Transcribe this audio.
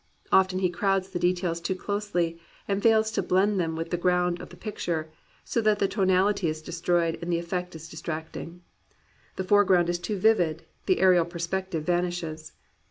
Often he crowds the details too closely, and fails to blend them with the ground of the picture, so that the tonality is destroyed and the effect is distracting. The foreground is too vivid: the aerial perspective vanishes.